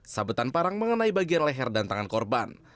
sabetan parang mengenai bagian leher dan tangan korban